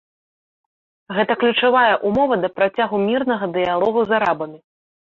Гэта ключавая ўмова для працягу мірнага дыялогу з арабамі.